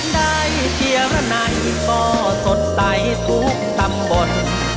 ได้เกียรไหนก็สนใจทุกตำบล